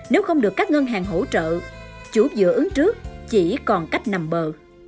nếu không được các ngân hàng hỗ trợ chủ dựa ứng trước chỉ còn cách nằm bờ